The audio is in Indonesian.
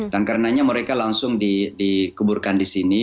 dan karenanya mereka langsung dikeburkan di sini